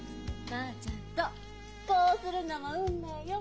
まあちゃんとこうするのも運命よ。